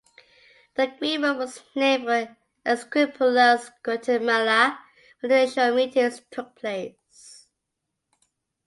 The agreement was named for Esquipulas, Guatemala, where the initial meetings took place.